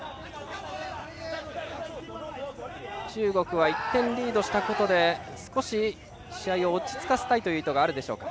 中国は１点リードしたことで少し、試合を落ち着かせたいという意図があるでしょうか。